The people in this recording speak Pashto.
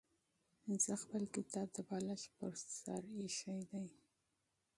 زه خپل کتاب د بالښت پر سر ایښی دی.